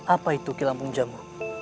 apa itu kilampung jamu